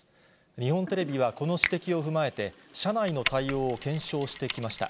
日本テレビはこの指摘を踏まえて、社内の対応を検証してきました。